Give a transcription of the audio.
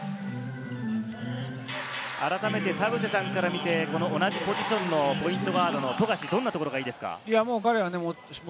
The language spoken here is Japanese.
改めて田臥さんから見て、同じポジションのポイントガードの富樫、どんなところがいいですか？